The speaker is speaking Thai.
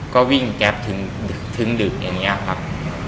ก็วิ่งแก๊ปถึงดึกอย่างนี้ครับ